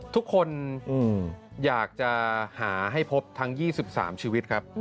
ทุกคนอยากจะหาให้พบทั้ง๒๓ชีวิตครับ